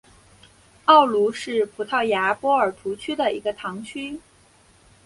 奥卢是葡萄牙波尔图区的一个堂区。